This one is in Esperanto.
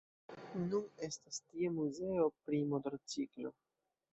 Nun estas tie muzeo pri Motorciklo.